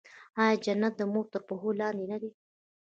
آیا جنت د مور تر پښو لاندې نه دی؟